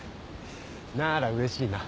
ならうれしいな。